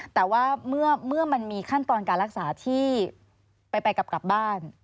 แต่ว่าเมื่อมันมีขั้นตอนการรักษาที่ไปกลับบ้าน